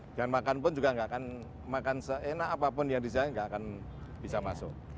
dan makan pun juga nggak akan makan seenak apapun yang disahkan nggak akan bisa masuk